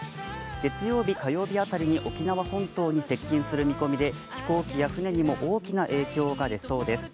月曜日、火曜日辺りに沖縄本島に近づく見込みで飛行機や船にも大きな影響が出そうです。